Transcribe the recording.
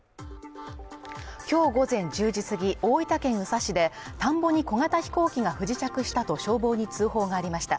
今日午前１０時すぎ、大分県宇佐市で田んぼに小型飛行機が不時着したと消防に通報がありました。